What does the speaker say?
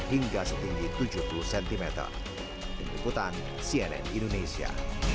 hingga setinggi tujuh puluh cm pengikutan cnn indonesia